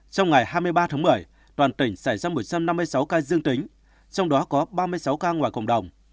trong ngày hai mươi ba tháng một mươi toàn tỉnh xảy ra một trăm năm mươi sáu ca dương tính trong đó có ba mươi sáu ca ngoài cộng đồng